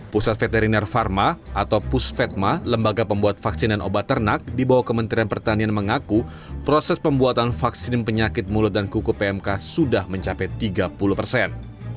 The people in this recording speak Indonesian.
pusat veteriner pharma atau pusvetma lembaga pembuat vaksin dan obat ternak di bawah kementerian pertanian mengaku proses pembuatan vaksin penyakit mulut dan kuku pmk sudah mencapai tiga puluh persen